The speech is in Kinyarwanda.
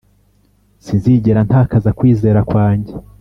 sinzigera ntakaza kwizera kwanjye.